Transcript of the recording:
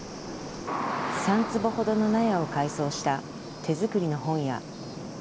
３坪ほどの納屋を改装した手作りの本屋。